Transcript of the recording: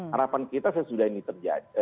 harapan kita sesudah ini terjadi